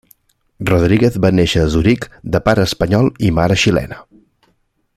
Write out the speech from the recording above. Rodríguez va néixer a Zuric de pare espanyol i mare xilena.